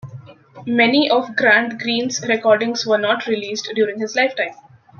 Many of Grant Green's recordings were not released during his lifetime.